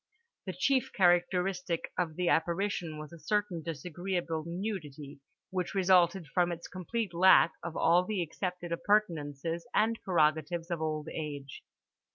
The chief characteristic of the apparition was a certain disagreeable nudity which resulted from its complete lack of all the accepted appurtenances and prerogatives of old age.